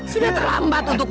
sudah terlambat untukmu